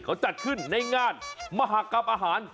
เขาจัดขึ้นในงานมหากรรมอาหาร